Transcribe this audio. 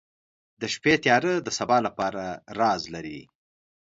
• د شپې تیاره د سبا لپاره راز لري.